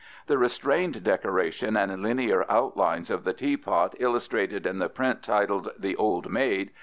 The restrained decoration and linear outlines of the teapot illustrated in the print titled The Old Maid (fig.